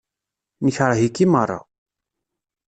Nekṛeh-ik i meṛṛa.